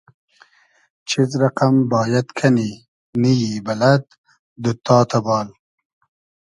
چیز رئقئم بایئد کئنی, نییی بئلئد, دوتتا تئبال